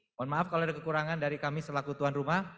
mohon maaf kalau ada kekurangan dari kami selaku tuan rumah